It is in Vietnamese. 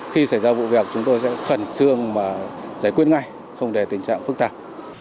khi xảy ra vụ việc chúng tôi sẽ khẩn trương giải quyết ngay không để tình trạng phức tạp